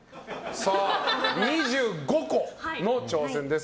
さあ、２５個の挑戦です。